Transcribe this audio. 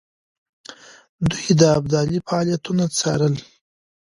دوی د ابدالي فعالیتونه څارل.